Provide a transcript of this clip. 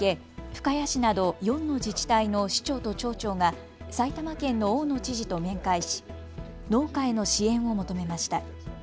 深谷市など４の自治体の市長と町長が埼玉県の大野知事と面会し農家への支援を求めました。